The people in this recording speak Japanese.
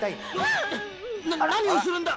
「な何をするんだ！」